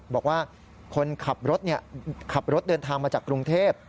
บอกว่าคนขับรถขับรถเดินทางมาจากกรุงเทพ